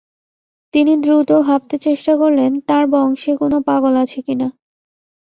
তিনি দ্রুত ভাবতে চেষ্টা করলেন তাঁর বংশে কোনো পাগল আছে কি না।